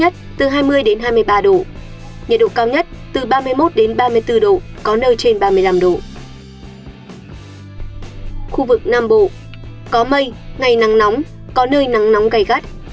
khu vực nam bộ có mây ngày nắng nóng có nơi nắng nóng gây gắt